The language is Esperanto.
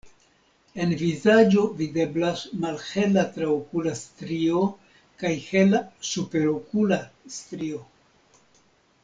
En vizaĝo videblas malhela traokula strio kaj hela superokula strio.